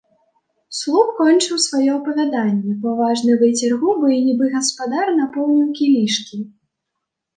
Слуп кончыў сваё апавяданне, паважна выцер губы і, нібы гаспадар, напоўніў кілішкі.